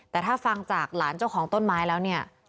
แต่ถ้าฟังจากหลานเจ้าของต้นไม้แล้วเนี่ย